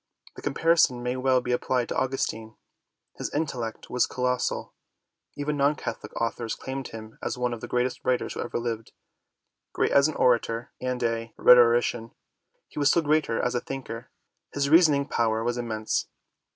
The com parison may well be applied to Augustine. His intellect was colossal. Even non Catholic authors claim him as one of the greatest writers who ever lived. Great as an orator and a rhetorician, he was still greater as a thinker. His reasoning power was immense.